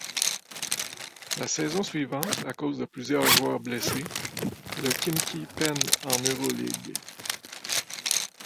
La saison suivante, à cause de plusieurs joueurs blessés, le Khimki peine en Euroligue.